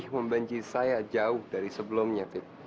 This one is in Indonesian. membenci saya jauh dari sebelumnya